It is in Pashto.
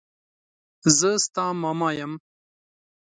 زه ستا ماما يم.